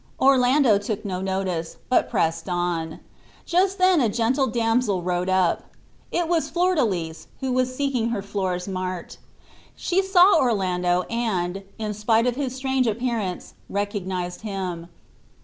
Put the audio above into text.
Orlando took no notice, but pressed on. Just then a gentle damsel rode up. It was Flordelis, who was seeking her Florismart. She saw Orlando, and, in spite of his strange appearance, recognized him.